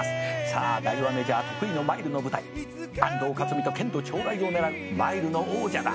「さあダイワメジャー得意のマイルの舞台」「安藤勝己と捲土重来を狙うマイルの王者だ」